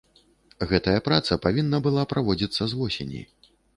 Гэтая праца павінна была праводзіцца з восені.